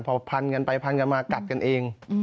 พอพันกันไปพันกันมากัดกันเอง